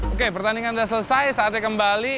oke pertandingan sudah selesai saatnya kembali